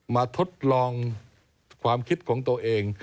ทดลองความคิดของตัวเอง